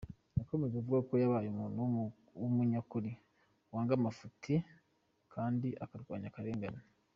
Yakomeje avuga ko yabaye ‘umuntu w’umunyakuri, wanga amafuti kandi akarwanya akarengane.